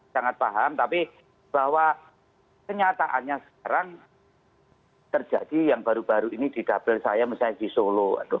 sangat paham tapi bahwa kenyataannya sekarang terjadi yang baru baru ini di double saya misalnya di solo